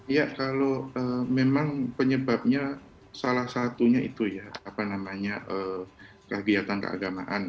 ya kalau memang penyebabnya salah satunya itu ya apa namanya kegiatan keagamaan